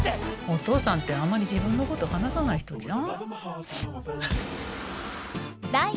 お父さんってあんまり自分のこと話さない人じゃん。